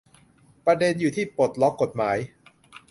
ประเด็นอยู่ที่ปลดล็อกกฎหมาย